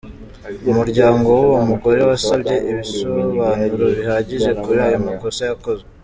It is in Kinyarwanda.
Umuryango w’uwo mugore wasabye ibisobanuro bihagije kuri ayo makosa yakozwe.